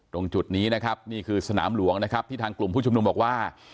ตรงจุดนี้นะครับนี่คือสนามหลวงนะครับที่ทางกลุ่มผู้ชุมนุมบอกว่า